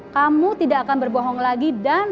kamu tidak akan berbohong lagi dan